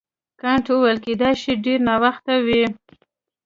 کانت وویل کیدای شي ډېر ناوخته وي.